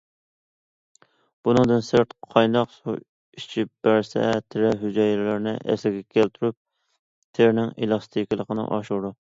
بۇنىڭدىن سىرت، قايناق سۇ ئىچىپ بەرسە، تېرە ھۈجەيرىلىرىنى ئەسلىگە كەلتۈرۈپ، تېرىنىڭ ئېلاستىكلىقىنى ئاشۇرىدۇ.